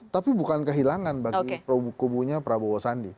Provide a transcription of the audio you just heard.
tapi bukan kehilangan bagi kubunya prabowo sandi